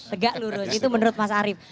tegak lurus itu menurut mas arief